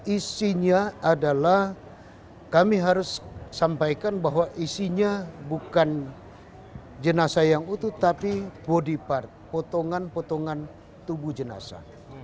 isinya adalah kami harus sampaikan bahwa isinya bukan jenazah yang utuh tapi body part potongan potongan tubuh jenazah